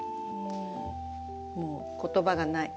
もう言葉がない。